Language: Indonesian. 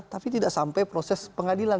tapi tidak sampai proses pengadilan